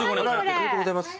ありがとうございます。